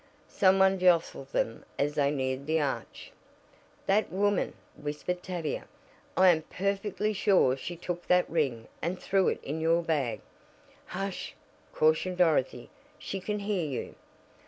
Some one jostled them as they neared the arch. "That woman!" whispered Tavia. "I am perfectly sure she took that ring and threw it in your bag." "Hush!" cautioned Dorothy. "She can hear you!"